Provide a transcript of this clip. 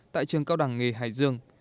tại trường cao đẳng nghề hải dương